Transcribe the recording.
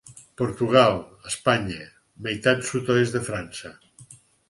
Portugal, Espanya, meitat sud-oest de França.